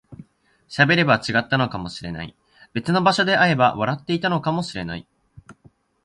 喋れば違ったのかもしれない、別の場所で会えば笑っていたかもしれない